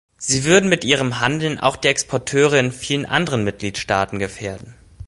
Sie würden mit ihrem Handeln auch die Exporteure in vielen anderen Mitgliedstaaten gefährden.